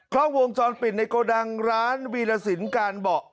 กล้องวงจรปิดในโกดังร้านวีรสินการเบาะ